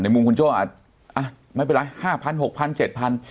มุมคุณโจ้อาจไม่เป็นไรห้าพันหกพันเจ็ดพัน